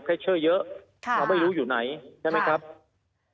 เพชเชอร์เยอะค่ะเราไม่รู้อยู่ไหนใช่ไหมครับใช่